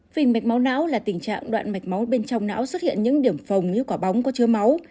phình mạch máu não là tình trạng đoạn mạch máu bên trong não xuất hiện những điểm phòng như quả bóng có chứa máu